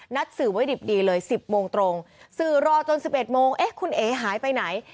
สื่อไว้ดิบดีเลย๑๐โมงตรงสื่อรอจน๑๑โมงเอ๊ะคุณเอ๋หายไปไหน